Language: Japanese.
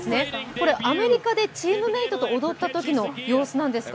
これはアメリカでチームメートと踊ったときの様子なんですが、